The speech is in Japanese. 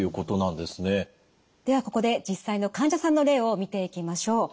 ではここで実際の患者さんの例を見ていきましょう。